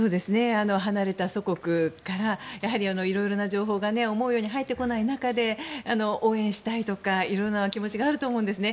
離れた祖国から色々な情報が思うように入ってこない中で応援したいとか色々な気持ちがあると思うんですね。